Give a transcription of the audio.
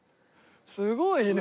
すごいね。